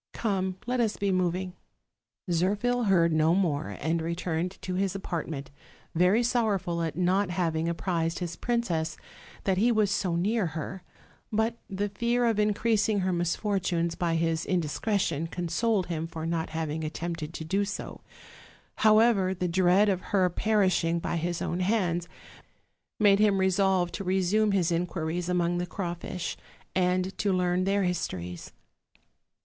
Come, let us be moving." Zirphil heard no more, and returned to his apartment, very sorrowful at not having apprised his princess that he was so near her: but the fear of increasing her mis fortunes by his indiscretion consoled him for not having attempted to do so: however, the dread of har perishing by his own hands made him resolve to resume his in quiries among the crawfish, and to learn their histories.